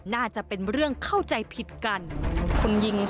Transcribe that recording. น่าจะเป็นเรื่องเข้าใจผิดกัน